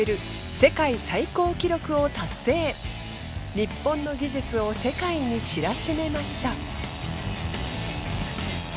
日本の技術を世界に知らしめました。